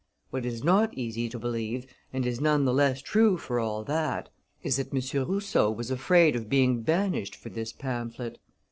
... What is not easy to believe, and is none the less true for all that, is that M. Rousseau was afraid of being banished for this pamphlet.